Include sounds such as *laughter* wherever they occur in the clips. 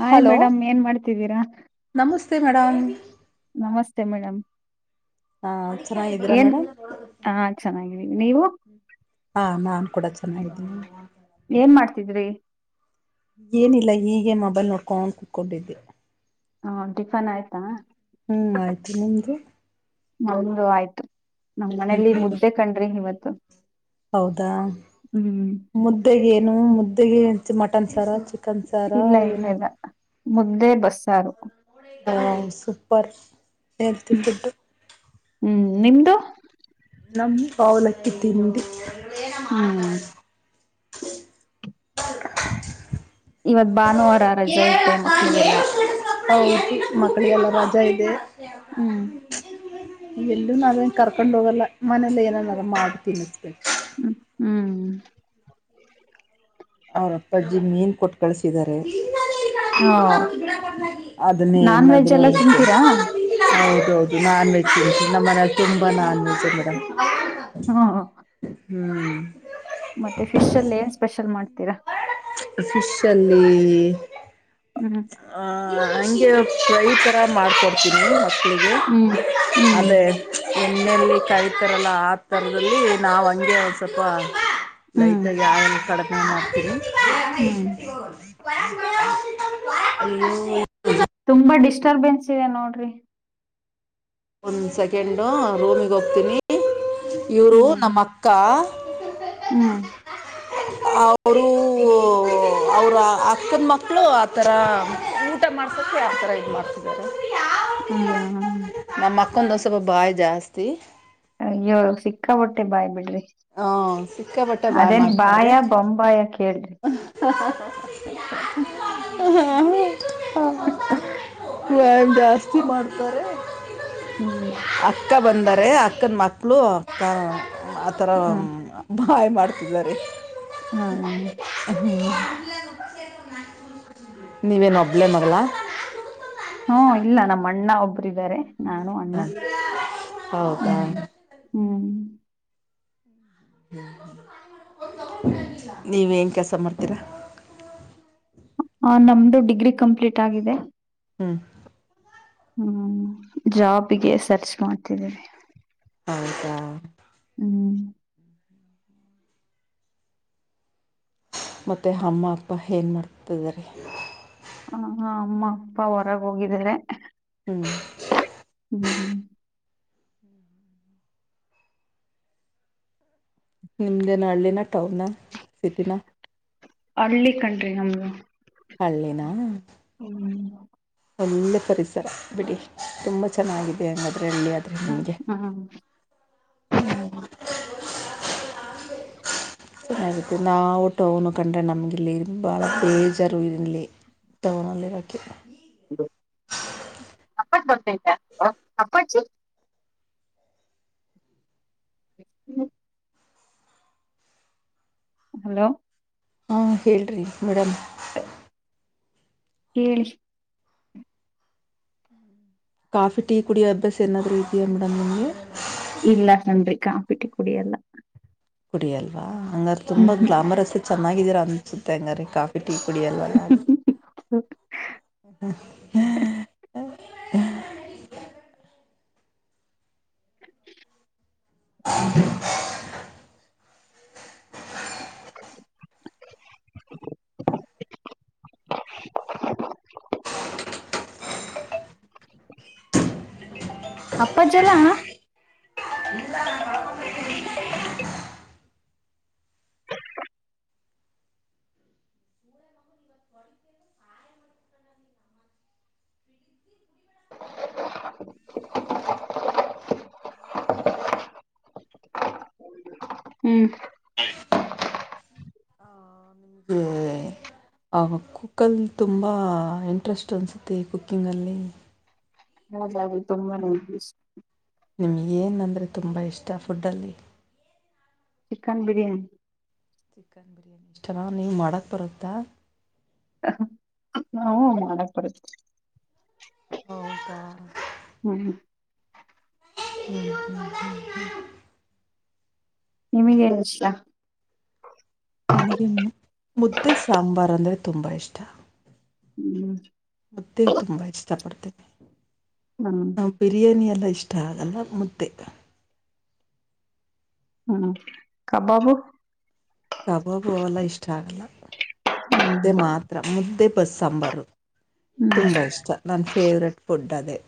Hi hello madam ಏನ್ ಮಾಡ್ತಿದ್ದೀರಾ ನಮುಸ್ತೆ ಮೇಡಂ. ನಮಸ್ತೆ ಮೇಡಂ. ಹಾ ಚೆನ್ನಾಗಿದ್ದೀರಾ ಏನ್ ಮೇಡಮ್ ಹಾ ಚೆನಾಗಿದ್ದೀವಿ ನೀವು. ಹಾ ನಾನ್ ಕೂಡ ಚೆನಾಗಿದ್ದೀನಿ. ಏನ್ ಮಾಡ್ತಿದ್ರಿ. ಏನಿಲ್ಲ ಹೀಗೆ ಮೊಬೈಲ್ ನೋಡ್ಕೊಂಡ್ ಕುತ್ಕೊಂಡಿದ್ದೆ. ಹಾ ಟಿಫನ್ ಆಯ್ತಾ. ಹ್ಮ್ ಆಯ್ತು ನಿಮ್ದು. ನಮ್ದು ಆಯ್ತು. ನಮ್ ಮನೇಲಿ ಹ್ಮ್ ಮುದ್ದೆ ಕಂಡ್ರಿ ಇವತ್ತು ಹೌದಾ. ಹ್ಮ್. ಮುದ್ದೆಗೇನು ಮುದ್ದೆಗೆನ್ ಮಟನ್ ಸರ ಚಿ ಇಲ್ಲ ಇಲ್ಲ ಇಲ್ಲ ಮುದ್ದೆ ಬಸ್ಸಾರು. ಹ ಸೂಪರ್ ಹೆಲ್ತಿ ಫುಡ್ದು. ಹ್ಮ್ ನಿಮ್ದು. ನಮ್ದ್ ಅವಲಕ್ಕಿ ತಿಂಡಿ. ಹ್ಮ್. ಇವತ್ ಭಾನುವಾರ ರಜ ಅಯ್ತೆ ಮಕ್ಳಿಗೆಲ್ಲ. ಹವ್ದು ಮಕ್ಳಿಗೆಲ್ಲ ರಜಾ ಇದೆ. ಹ್ಮ್ ಇವೆಲ್ಲೂ ನಾವೇನ್ ಕರ್ಕೊಂಡ್ ಹೋಗಲ್ಲ ಮನೆಲ್ಲೆ ಏನ್ ಏನ್ನಾರ ಮಾಡ್ತೀನಿ ಸ್ಪೆಷಲ್. ಹ್ಮ್ ಹ್ಮ್. ಅವ್ರಪ್ಪಜ್ಜಿ ಮೀನ್ ಕೊಟ್ಕಳ್ಸಿದ್ದರೆ. ಹ ನಾನ್ ವೆಜ್ ಅದನ್ನೇನಾದ್ರೂ ಎಲ್ಲ ಏನಾದ್ರು ತಿಂತೀರಾ ಒನ್ ಹೌದ ಹೌದು ನಾನ್ ವೆಜ್ ತಿಂತೀನ್ ನಮ್ ಮನೆಲ್ ತುಂಬ ನಾನ್ ವೆಜ್ ಮೇಡಮ್. ಹೋ. ಹ್ಮ್. ಮತ್ತೆ ಫಿಶಲ್ ಏನ್ ಸ್ಪೆಷಲ್ ಮಾಡ್ತೀರ. ಫಿಶಲ್ಲಿ. ಹ್ ಹಾ ಹಂಗೆ ಫ್ರೈ ಥರ ಮಾಡ್ತಾ ಇರ್ತೀನಿ. *unintelligible* ಹ್ಮ್ ಹ್ಮ್ ಅದೇ ಎಣ್ಣೆಲ್ಲಿ ಕಾಯ್ತಾರಲ್ಲ ಆ ತರದಲ್ಲಿ ನಾವ ಹಂಗೆ ಸ್ವಲ್ಪ ಲೈಟ್ ಹ್ಮ್ ಆಗಿ ಹ್ಮ್ *unintelligible* *unintelligible* ತುಂಬಾ ಡಿಸ್ಟರ್ಬೆನ್ಸ್ ಇದೆ ನೋಡ್ರಿ. ಒಂದ್ ಸೆಕೆಂಡು ರೂಮಿಗ ಹೋಗ್ತೀನಿ ಇವ್ರು ನಮ್ಮ ಅಕ್ಕ ಹ್ಮ. ಅವ್ರು ಅವ್ರ ಅಕ್ಕನ ಮಕ್ಕಳು ಆಥರ ಊಟ ಮಡಸಕ್ಕೆ ಆ ತರ ಇದ *unintelligible* ಹ್ಮಾ ನಮ್ಮ ಅಕ್ಕಂದ ಸ್ವಪ ಬಾಯಿ ಜಾಸ್ತಿ. ಅಯ್ಯೋ ಸಿಕ್ಕಾ ಪಟ್ಟೆ ಬಾಯಿ ಬಿಡ್ರಿ ಹ ಸಿಕ್ಕಾಪಟ್ಟೆ ಅದೇನ ಬಾಯ ಬೊಂಬ ಬಾಯ ಕೇಳ್ರಿ. *unintelligible* ಮ್ ಜಾಸ್ತಿ ಮಾಡ್ತಾರೆ. ಹ್ಮ. ಅಕ್ಕ ಬಂದರೆ ಅಕ್ಕನ ಮಕ್ಕಳು ತ ಆ ಥರ ಹ್ಮ್ ಬಾಯ್ ಮಾಡ್ತಿದ್ದಾರೆ. ಹಾ ಹ್ಮ ನೀವೇನ ಒಬ್ಳೆ ಮಗಳ ಹ್ಮ ಇಲ್ಲ ನಮ್ಮ ಅಣ್ಣ ಒಬ್ಬರ ಇದ್ದಾರೆ. ನಾನು ಅಣ್ಣ ಹ ಹೌದಾ ಹ್ಮ್ ಹ್ಮ್. ನೀವೇನ್ ಕೆಸ ಮಾಡತ್ತೀರಾ. ಆ ನಮ್ದು ಡಿಗ್ರಿ ಕಂಪ್ಲೀಟ್ ಆಗಿದೆ. ಹ್ಮ. ಹ್ಮ ಜಾಬ್ಗೆ ಸರ್ಚ್ ಮಾಡ್ತಿದ್ದೀವಿ. ಹೌದಾ ಹ್ಮ. *inaudible* ಮತ್ತೆ ಹಮ್ಮ ಅಪ್ಪ ಏನ್ ಮಾಡ್ತಿದ್ದಾರೆ. ಹ ಹಾ ಅಮ್ಮ ಅಪ್ಪ ಹೊರಗೆ ಹೋಗಿದ್ದಾರೆ. ಹ್ಮ. ಹ್ಮ್ ಹ್ಮ. *inaudible* ನಿಮ್ದೇನ ಹಳ್ಳಿನ ಟೌನ ಸಿಟಿನ ಅಳ್ಳಿ ಕಣ್ರಿ ನಮ್ಮದು ಹಳ್ಳಿನ ಹ್ಮ. ಒಳ್ಳೆ ಪರಿಸರ ಬಿಡಿ ತುಂಬ ಚೆನ್ನಾಗಿದೆ ಹಂಗಾದ್ರೆ ಹಳ್ಳಿ ಅದ ಹ್ಮ ಹ್ಮ. ಚೆನ್ನಾಗಿತ್ತ ನಾವು ಟೌನ ಕಣ್ರೀ ನಮಗಿಲ್ಲಿ ಭಾಳ ಬೇಜಾರ ಇರಲ್ಲಿ. ಟವನಲ್ಲಿರಕ್ಕೆ *unintelligible* ಅಪ್ಪಚ ಹ್ಮ. ಹಲೋ. ಹಾಂ ಹೇಳ್ರಿ ಮೇಡಂ. ಹ ಹೇಳಿ. ಕಾಫಿ ಟೀ ಕುಡಿಯೋ ಅಭ್ಯಾಸ ಏನಾದ್ರೂ ಇದಿಯಾ ಮೇಡಮ್ ನಿಮಗೆ. ಇಲ್ಲ ನಂಗೆ ಕಾಫಿ ಟೀ ಕುಡಿಯಲ್ಲ. ಕುಡಿಯಲ್ವಾ ಹಂಗಾರ ಹ್ಮ್ ತುಂಬಾ ಹ್ಮ್ ಗ್ಲಾಮರಸ್ ಚೆನ್ನಾಗಿದೀರ ಅನ್ಸುತ್ತೆ ಹಂಗಾರ ಕಾಫಿ. ಕಾಫಿ ಟಿ ಕುಡಿಯಲ್ಲಲ್ವಾ ಅದ್ಕೆ. *inaudible* *inaudible* *inaudible* ಅಪ್ಪಾಜಿ ಇಲ್ಲಾ. ಹ್ಮ್ ಆವಾಗ ಕುಕ್ಕಲ್ಲಿ ತುಂಬ ಇಂಟ್ರೆಸ್ಟ್ ಅನಿಸುತ್ತೆ ಕುಕ್ಕಿಂಗಲ್ಲಿ. *unintelligible* ಹೌದದು ತುಂಬ *unintelligible* ನಿಮ್ಗ ಏನಂದ್ರೆ ತುಂಬ ಇಷ್ಟ ಫುಡ್ಡಲ್ಲಿ. ಚಿಕನ್ ಬಿರಿಯಾನಿ. ಚಿಕನ್ ಬಿರಿಯಾನಿ ಇಷ್ಟನ ನಿಮ್ಗೆ ಮಾಡೋಕ್ಕೆ ಬರುತ್ತಾ ಹ್ಹ್ ಮಾಡಕ್ ಬರುತ್ತೆ. ಹೌದಾ ಹ್ಮ ಹ್ಮ *inaudible* ನಿಮಗ ಏನ್ ಇಷ್ಟ ನನಗೆ ಮುದ್ದೆ ಸಾಂಬಾರ್ ಅಂದ್ರೆ ತುಂಬಾ ಇಷ್ಟ. ಹ್ಮ್ ಮುದ್ದೆ ತುಂಬ ಇಷ್ಟ ಪಡ್ತೀನಿ. ಹ್ಮ್ ಬಿರಿಯಾನಿಯಲ್ಲ ಇಷ್ಟ ಆಗಲ್ಲ ಮುದ್ದೆ ಹ್ಮ್ ಕಬಾಬು. ಕಬಾಬು ಎಲ್ಲ ಇಷ್ಟ ಆಗಲ್ಲ ಮುದ್ದೆ ಹ್ಮ್ ಮಾತ್ರ ಮುದ್ದೆ ಬಸ್ ಸಾಂಬಾರು. ತುಂಬಾ ಇಷ್ಟ ನನ್ ಫೇವ್ರೆಟ್. ಫುಡ್ ಅದೇ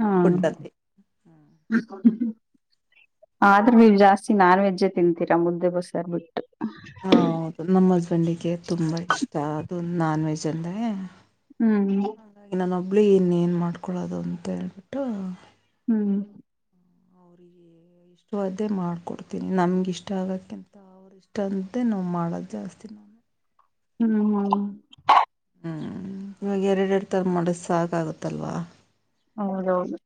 ಹ್ಹಾ. ಫುಡ್ಡಲ್ಲಿ ಆದ್ರು ನೀವ್ ಜಾಸ್ತಿ ನಾನ್ ವೆಜ್ಜೇ ತಿಂತೀರಾ ಮುದ್ದೆ ಬಸರ್ ಬಿಟ್ಟು. ಹ ಹೌದು ನಮ್ಮ ಹಸ್ಬೆಂಡಿಗೆ ತುಂಬ ಇಷ್ಟ ಅದು ನಾನ್ ವೆಜ್ ಅಂದರೆ. ಹ್ಮ್ ಹಾಗಾಗಿ ನಾನ್ ಒಬ್ಳೆ ಇನ್ ಏನ್ ಮಾಡ್ಕೊಳೋದು ಅಂತ ಹೇಳ್ಬಿಟ್ಟು. ಹ್ಮ್ ಸೊ ಅದೇ ಮಾಡ್ಕೊಡ್ತೀನಿ ನಮ್ಗಿಷ್ಟ ಆಗಕ್ಕಿಂತ ಇಷ್ಟಂತ ನಾವು ಮಾಡೋದು ಜಾಸ್ತಿನೆ. ಹ್ಮ್ ಹ್ಮ ಹ್ಮ್ ಇವಾಗ ಎರಡೆರಡು ಥರ ಮಾಡಿ ಸಾಕ ಆಗತ್ತಲ್ವಾ. ಹೌದೌದು.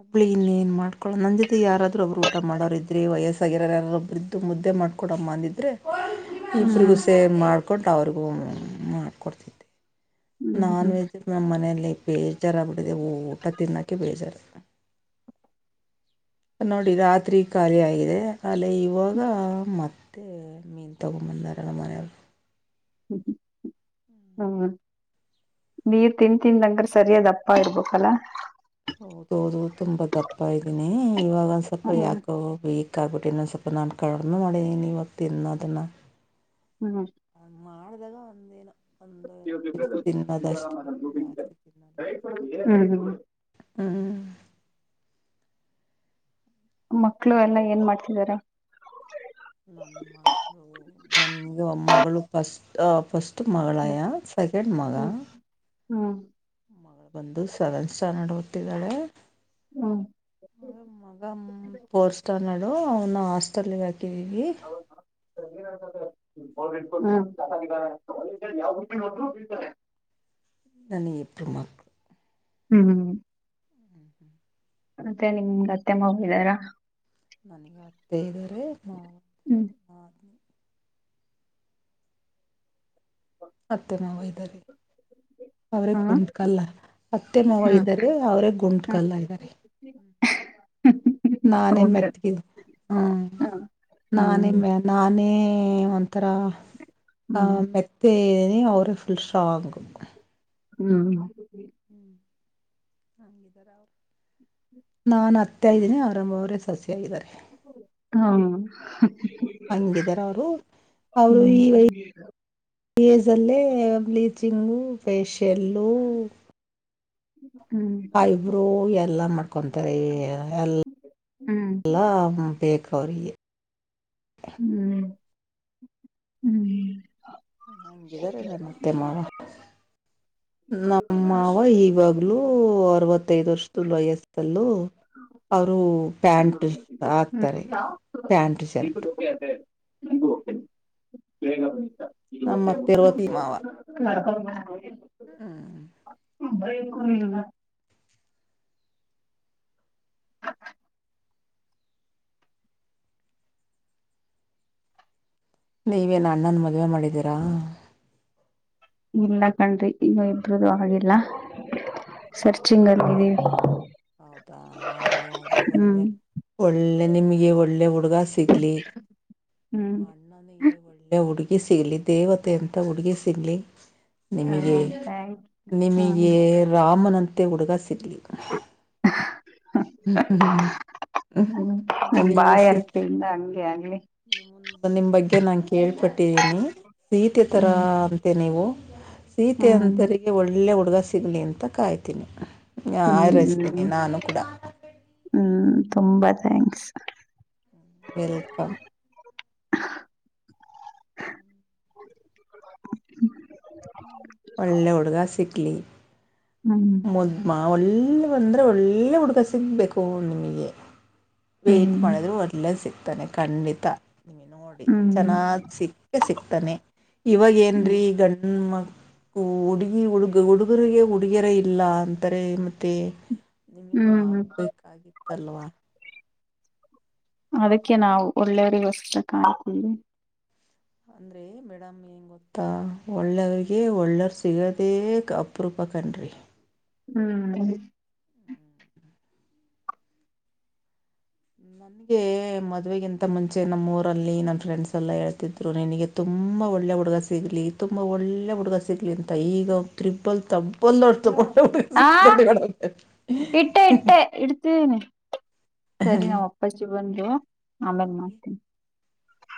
ಒಬ್ಳೇ ಎಲ್ಲೆನ್ ಮಾಡ್ಕೊ ನನ್ ಜೊತೆ ಯಾರಾದ್ರರು ಒಬ್ರು ಊಟ ಮಾಡೋರ ಇದ್ರೆ ವಯಸ್ಸಾಗಿರೋ ಯಾರೊಬ್ರ ಇದ್ರೆ. ಮುದ್ದೆ ಮಾಡ್ಕೊಡಮ್ಮ ಅಂದಿದ್ರೆ. ಇಬ್ರಿಗೂ ಹ್ಮ್ ಸೇರಿ ಮಾಡಿಕೊಂಡು ಅವ್ರಿಗೂ ಮಾಡಕೊಡ್ತಿದ್ದೆ. ಹ್ಮ್ ನಾನ್ ಹ್ಮ್ ವೆಜ್ ನಮ್ಮ್ ಮನೆಯಲ್ಲಿ ಬೇಜಾರ ಆಗಿಬಿಟ್ಟದೆ ಊಟ ತಿನ್ನೋಕೆ ಬೇಜಾರ. ನೋಡಿ ರಾತ್ರಿ ಖಾಲಿ ಆಗಿದೆ ಅಲೆ ಇವಾಗ ಮತ್ತೆ. ನೀನ್ ತಗೊಂದ ಬಂದರ ಓಮರಾಯ್ಯ ಯವರು. *inaudible* ನೀರ್ ತಿಂದ ತಿಂದ ಅಂಗ ಸರಿಯಾದ ದಪ್ಪ ಇರ್ಬೇಕಲ್ಲಾ. ಹೌದೌದು ತುಂಬಾ ದಪ್ಪ ಇದ್ದೀನಿ ಇವಾಗ ಒಂದ್ ಸ್ವಲ್ಪ ಹ್ಮ್ ಯಾಕೊ ಬೇಜಾರ. ವೀಕ್ ಬಿಟ್ಟೀನಿ ಸ್ವಲ್ಪ ನಾನು ಕಡಿಮ ಮಾಡಿದ್ದೀನಿ ಇವಾಗ ತಿನ್ನೋದನ ಅದನ್ನು. ಹ್ಮ್. ಅ ಮಾಡಿದಾಗ ಒಂದ ಏನೋ. ಬಿಟ್ಟು ಜಾಸ್ತಿ ತಿನ್ನಲ್ಲ *inaudible* ಹ್ಮ್. ಮಕ್ಳು ಎಲ್ಲಾ ಏನ್ ಮಾಡ್ತಿದಾರ. ನನ್ನ ಮ ನನ್ಗೆ ಮಗಳು ಫಸ್ಟ್ ಫಸ್ಟ್. ಫಸ್ಟ್ ಹ್ಮ್ ಮಗಳಯ ಸೆಕೆಂಡ್ ಮಗ. ಹ್ಮ್. ಒಂದು ಸೆವೆನ್ ಸ್ಟ್ಯಾಂಡರ್ಡ್ ಹೊತಿದ್ದಾಳೆ. ಹ್ಮ್ ಹ್ಮ್ ಮಗ ಫೋರ್ಥ್ ಸ್ಟ್ಯಾಂಡರ್ಡ್ ಅವನ ಹಾಸ್ಟೆಲ್ಗೆ ಹಾಕಿದೀವಿ. *inaudible* ಹ್ಮ್ *unintelligible* ನಂಗೆ ಇಬ್ರೂ ಮಕ್ಳ. ಹ್ಮ. ಮತ್ತೆ ನಿಮ ಅತ್ತೆ ಮಗಿದಾರಾ. ನನಗೆ ಹತ್ತೈದರ ಮಾವತ್ತರೆ ಹ್ಮ್ ನಾದಿನಿ. ಅತ್ತೆ ಮಾವ ಇದಾರೆ. *inaudible* ಅವ್ರೇ ಹಾ ಗುಂಟಕಲ್ಲ ಅತ್ತೆ ಮವ ಹ್ಮ್ ಇದ್ದಾರೆ ಅವ್ರೇ ಗುಂಟಕಲ್ಲ ಇದ್ದಾರೆ. *inaudible* ನಾನೇನ್ ಹೌದ ಮೆತ್ಕಿದ್ದ್. ಹ್ಮ ನಾನೇ ಹ್ಮ್ ಮ ನಾನೇ ಒಂಥರ. ಆ ಹ್ಮ್ ಮೆತ್ತೆ ಅವರೇ ಫುಲ್ ಸ್ಟ್ರಾಂಗ್. ಹ್ಮ್. *inaudible* ನಾನ್ ಅತ್ತೈದಿನೇ ಆರಂಭವರೇ ಸೊಸ್ ಆಗಿದ್ದಾರೆ. ಹಾ. ಹಂಗಿದಾರ ಅವರು ಅವರು ಹ್ಮ್ ಈ ವಿ. ಇಸ್ ಅಲ್ಲೇ ಬ್ಲೀಚಿಂಗು ಫೇಶಿಯಲ್ಲು. ಹ್ಮ್. ಇವರು ಎಲ್ಲಾ ಮಾಡ್ಕೊಂತಾರೆ ಎಲ್ಲ. ಹ್ಮ್. ಎಲ್ಲಾ ಬೇಕು ಅವ್ರಿಗೆ. ಹ್ಮ್ ಹ್ಮ್. ಹಂಗಿದಿದ್ದಾರೆ ನನತ್ತೆ ಮಾವ ನಮ್ಮ ಮಾವ ಈವಾಗ್ಲು. ಅರವತ್ತೈದು ವರ್ಷದ ವಯಸ್ಥಲ್ಲು. ಅವರು ಪ್ಯಾಂಟ್ ಹಾಕ್ತಾರೆ ಪ್ಯಾಂಟ್ ಶರ್ಟ್. *unintelligible* ನಮ್ಮ ಅತ್ತೆ ಅರವತ್ತು ಮಾವ *unintelligible* ಹ್ಮ್ *unintelligible* ನೀವೇನ್ ಅಣ್ಣನ ಮದ್ವೆ ಮಾಡಿದ್ದೀರಾ. ಇಲ್ಲ ಕಣ್ರೀ ಇನ್ನ ಇಬ್ರೂದು ಆಗಿಲ್ಲ. ಹೌದಾ ಸರ್ಚಿಂಗ್ ಅಲ್ಲಿ ಇದೀವಿ ಹೌದಾ ಆಗ್ಲಿ ಆಗ್ಲಿ ಹ್ಮ್ ಒಳ್ಳೆ. ಒಳ್ಳೆ ನಿಮಗೆ ಒಳ್ಳೆ ಹುಡುಗ ಸಿಗ್ಲಿ. ನನಗೆ ಒಳ್ಳೆ ಹುಡುಗಿ ಸಿಗಲಿ ದೇವತೆ ಅಂತ ಹುಡುಗಿ ಸಿಗಲಿ. ನಿಮಗೆ ಹಂತ ನಿಮಗೇ ರಾಮನಂತೆ ಹುಡುಗ ಸಿಗ್ಲಿ. *inaudible* ನಿಮ್ ಬಾಯಿ ಹರಕ್ಕೆಯಿಂದ ಹಂಗೆ ಆಗ್ಲಿ. *unintelligible* ನಿಮ್ ಬಗ್ಗೆ ನಾನ್ ಕೇಳ್ಪಟ್ಟಿದ್ದೀನಿ. ಸೀತೆ ತರ ಹ್ಮ್ ಅಂತೆ ನೀವು ಸೀತೆ ಹ್ಮ್ ಅಂತೆ. ಇಲ್ಲಿ ಒಳ್ಳೆ ಹುಡುಗ ಸಿಗಲಿ ಅಂತ ಕಾಯ್ತೀನಿ ಆರೈಸ್ತೀನಿ ಹ್ಮ್ ನಾನು ಕೂಡ ಹ್ಮ್ ತುಂಬಾ ಥ್ಯಾಂಕ್ಸ್. ವೆಲ್ಕಮ್. ಹ್ಮ್ ಒಳ್ಳೆ ಹುಡ್ಗಾ ಸಿಕ್ಕಲಿ. ಹ್ಮ್ ಮಾ ಒಳ್ಳೆ ಬಂದರೆ ಒಳ್ಳೆ ಹುಡುಗ ಸಿಗಬೇಕು ನಿಮಗೆ. ವೇಟ್ ಹ್ಮ್ ಮಾಡಿದ್ರು ಒಳ್ಳವರು ಸಿಕ್ತಾನೆ ಖಂಡಿತ. ನೋಡಿ ಹ್ಮ್ ಚೆನ್ನಾಗಿ ಸಿಕ್ಕೆ ಸಿಕ್ತಾನೆ ಇವಾಗ ಏನ್ರೀ ಹ್ಮ್ ಗಂಡ್ಮಾ. ಹುಡುಗಿ ಹುಡುಗ ಹುಡುಗರಿಗೆ ಹುಡುಗಿಯರ ಇಲ್ಲ ಅಂತಾರೆ ಮತ್ತೆ. ನಿಮಗೂ ಹ್ಮ್ ಆಗ್ಬೇಕಾಗಿತ್ತಲ್ವಾ. ಅದಕ್ಕೆ ನಾವು ಒಳ್ಳೆಯವರಿಗೊಸ್ಕರ ಕಾಯ್ತಿವಿ. ಅಂದ್ರೆ ಹೇಳಿ ಮೇಡಮ್. ಒಳ್ಳೆಯವ್ರಿಗೆ ಒಳ್ಳೆಯರು ಸಿಗೋದೇ ಅಪರೂಪ ಕಣ್ರೀ. ಹ್ಮ್ ನನ್ಗೆ ಮದ್ವೇಗಿಂತ ಮುಂಚೆ ನಮ್ಮಊರಲ್ಲಿ ನಮ್ಮ ಫ್ರೆಂಡ್ಸ್ ಎಲ್ಲ ಹೇಳ್ತಿದ್ರು ನಿನಗೆ. ತುಂಬ ಒಳ್ಳೆ ಹುಡುಗ ಸಿಗಲಿ ತುಂಬ ಒಳ್ಳೆ ಹುಡುಗ ಸಿಗಲಿ ಅಂತ ಈಗ ತ್ರಿಬ್ಬಲ್ ತಬ್ ಡಬಲ್ ಅಷ್ಟು ಒಳ್ಳೆಯವರೇ ಆ ಸಿಕ್ಕಿದರೆ *inaudible* ಇಡ್ತೇನಿ ಸರಿ ನಾಮ್ ಅಪ್ಪಜಿ ಬಂದ್ರು ಅಮೆಲ್ ಮಾಡ್ತೀನಿ.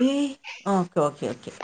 ಹೆ ಓಕೆ ಓಕೆ ಓಕೆ.